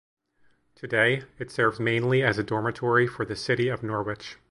Today, it serves mainly as a dormitory for the city of Norwich.